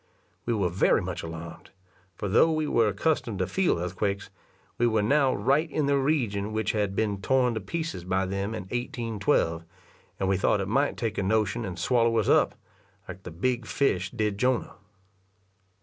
We were very much alarmed; for though we were accustomed to feel earthquakes, we were now right in the region which had been torn to pieces by them in 1812, and we thought it might take a notion and swallow us up, like the big fish did Jonah.